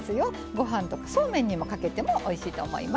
ごはんとかそうめんにかけてもおいしいと思います。